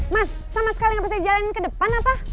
mas sama sekali gak bisa jalanin ke depan apa